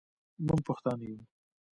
موږ پښتانه یو.